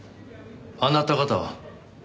あなた方は？